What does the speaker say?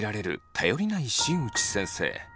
頼りない新内先生。